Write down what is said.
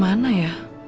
rena kemana ya